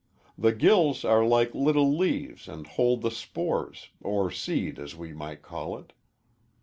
The gills are like little leaves and hold the spores, or seed as we might call it.